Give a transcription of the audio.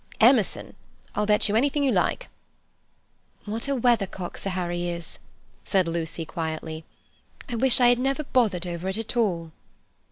"Emerson. I'll bet you anything you like." "What a weathercock Sir Harry is," said Lucy quietly. "I wish I had never bothered over it at all."